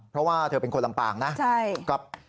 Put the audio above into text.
เพราะว่าเธอเป็นคนลำปางนะ